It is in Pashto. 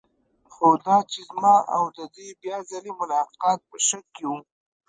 خو دا چې زما او د دې بیا ځلې ملاقات په شک کې و.